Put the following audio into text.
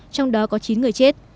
trong đó có chín người chết